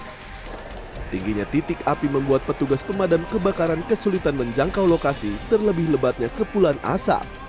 tingginya titik api membuat petugas pemadam kebakaran kesulitan menjangkau lokasi terlebih lebatnya kepulan asap